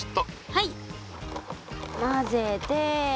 はいまぜて。